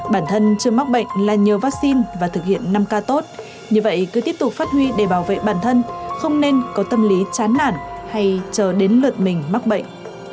bản thân chưa mắc bệnh là nhờ vaccine và thực hiện năm ca tốt như vậy cứ tiếp tục phát huy để bảo vệ bản thân không nên có tâm lý chán nản hay chờ đến lượt mình mắc bệnh